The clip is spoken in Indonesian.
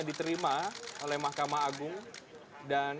diterima oleh mahkamah agung dan